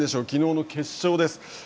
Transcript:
きのうの決勝です。